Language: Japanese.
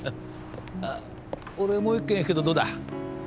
あ俺もう一軒行くけどどうだ？